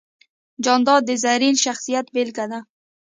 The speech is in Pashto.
جانداد د زرین شخصیت بېلګه ده.